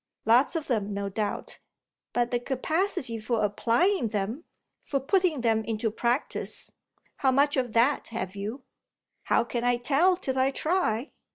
"Lots of them, no doubt. But the capacity for applying them, for putting them into practice how much of that have you?" "How can I tell till I try?"